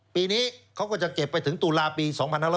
ปีนี้เขาก็จะเก็บไปถึงตุลาปี๒๕๖๐